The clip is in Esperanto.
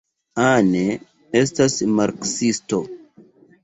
Anne estas marksisto.